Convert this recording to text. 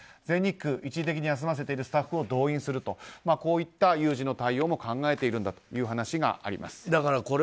全日空、一時的に休ませているスタッフを動員するとこういった有事の対応も考えているんだという話があります。